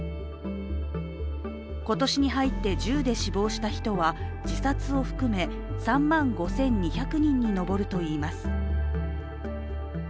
今年に入って銃で死亡した人は自殺を含め３万５２００人に上るといいます。